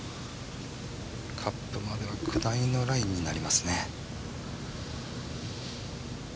カップまでは下りのラインになりますね。